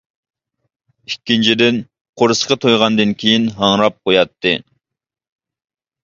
ئىككىنچىدىن قورسىقى تويغاندىن كېيىن ھاڭراپ قوياتتى.